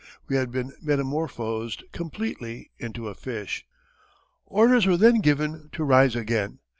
We had been metamorphosed completely into a fish. [Footnote 1: ©] Orders were then given to rise again.